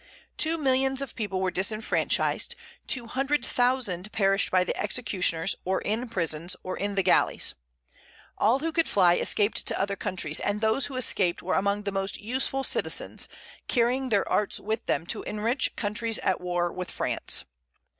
Two millions of people were disfranchised; two hundred thousand perished by the executioners, or in prisons, or in the galleys. All who could fly escaped to other countries; and those who escaped were among the most useful citizens, carrying their arts with them to enrich countries at war with France.